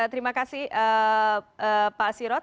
terima kasih pak sirot